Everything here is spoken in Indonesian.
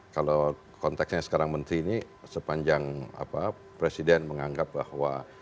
kalau konteksnya sekarang menteri ini sepanjang presiden menganggap bahwa